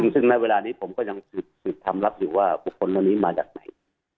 ซึ่งณเวลานี้ผมก็ยังสืบคำลับอยู่ว่าบุคคลเหล่านี้มาจากไหน